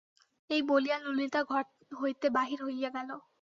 এই বলিয়া ললিতা ঘর হইতে বাহির হইয়া গেল।